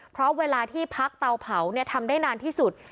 เพราะเวลาที่พักเตาเผาทำได้นานที่สุด